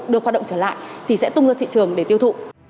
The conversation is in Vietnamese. được hoạt động trở lại thì sẽ tung ra thị trường để tiêu thụ